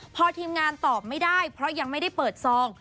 พอทีมงานตอบไม่ได้เพราะยังไม่ได้เปิดซอง